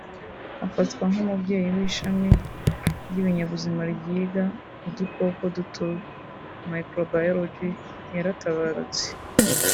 afatwa nk’umubyeyi w’ishami ry’ibinyabuzima ryiga udukoko duto (microbiology) yaratabarutse